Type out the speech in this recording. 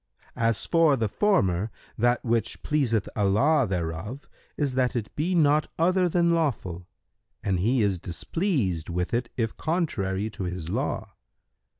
As for the former, that which pleaseth Allah thereof is that it be not other than lawful[FN#134] and He is displeased with it if contrary to His law.